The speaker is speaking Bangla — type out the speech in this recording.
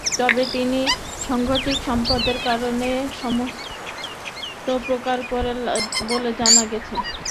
তবে তিনি সাংগঠনিক সম্পাদকদের কাজে অসন্তোষ প্রকাশ করেন বলে জানা গেছে।